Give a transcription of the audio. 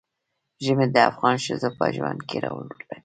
ژمی د افغان ښځو په ژوند کې رول لري.